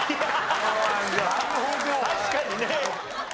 確かにね。